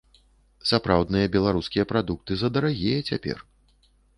Сапраўдныя беларускія прадукты задарагія цяпер.